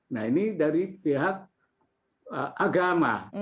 nah ini dari pihak agama